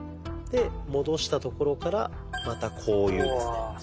で戻したところからまたこういうですね。